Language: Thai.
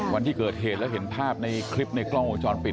วันที่เกิดเหตุแล้วเห็นภาพในคลิปในกล้องวงจรปิด